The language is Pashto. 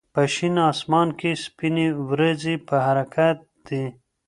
په شین اسمان کې سپینې وريځې په حرکت دي.